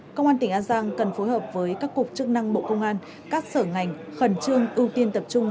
công an tỉnh an giang cần phối hợp với các cục chức năng bộ công an các sở ngành khẩn trương ưu tiên tập trung